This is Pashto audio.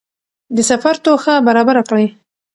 د سفر توښه برابره کړئ.